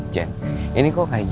jen ini kok kayak gini